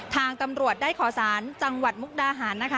ทางตำรวจได้ขอสารจังหวัดมุกดาหารนะคะ